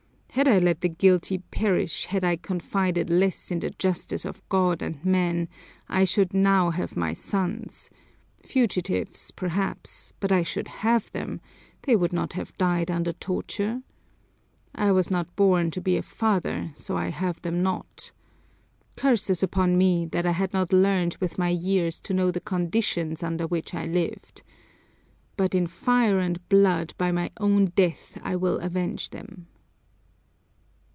Had I let the guilty perish, had I confided less in the justice of God and men, I should now have my sons fugitives, perhaps, but I should have them; they would not have died under torture! I was not born to be a father, so I have them not! Curses upon me that I had not learned with my years to know the conditions under which I lived! But in fire and blood by my own death I will avenge them!"